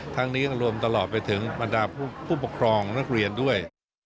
ทั้งนี้ก็รวมตลอดไปถึงบรรดาผู้ปกครองนักเรียนด้วย